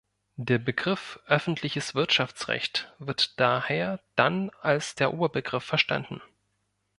Der Begriff „Öffentliches Wirtschaftsrecht“ wird daher dann als der Oberbegriff verstanden.